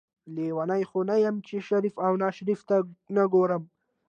لیونۍ خو نه یم چې شریف او ناشریف ته نه ګورم.